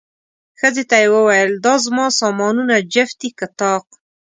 ښځې ته یې وویل، دا زما سامانونه جفت دي که طاق؟